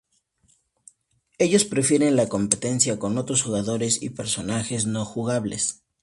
Ellos prefieren la competencia con otros jugadores, y personajes no jugables.